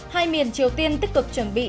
hai miền triều tiên tích cực chuẩn bị